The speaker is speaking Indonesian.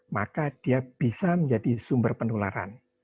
maka dia bisa menjadi sumber penularan